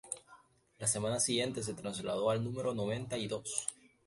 La semana siguiente, se trasladó al número noventa y dos.